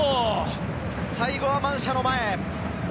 最後はマンシャの前。